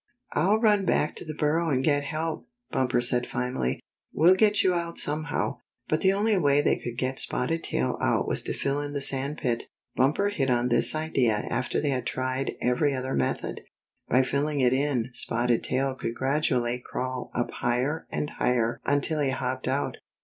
"I'll run back to the burrow and get help!" Bumper said finally. " We'll get you out some how." But the only way they could get Spotted Tail out was to fill in the sand pit. Bumper hit on this idea after they had tried every other method. By filling it in Spotted Tail could gradually crawl up higher and higher until he hopped out.